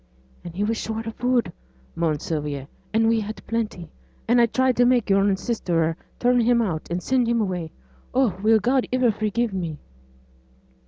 'And he was short o' food,' moaned Sylvia, 'and we had plenty, and I tried to make yo'r sister turn him out, and send him away. Oh! will God iver forgive me?'